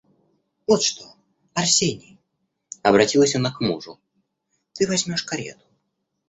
Вот что, Арсений, — обратилась она к мужу, — ты возьмешь карету...